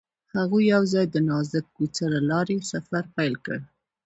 هغوی یوځای د نازک کوڅه له لارې سفر پیل کړ.